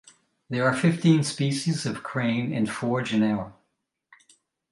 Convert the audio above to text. There are fifteen species of crane in four genera.